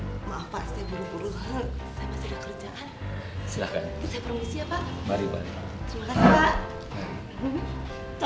terima kasih pak